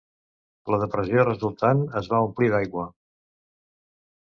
La depressió resultant es va omplir d'aigua.